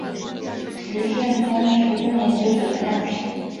菊正宗十分讲究酒的酿制。